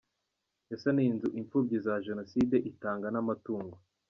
yasaniye inzu imfubyi za Jenoside itanga n’amatungo